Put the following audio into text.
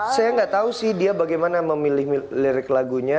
saya nggak tahu sih dia bagaimana memilih lirik lagunya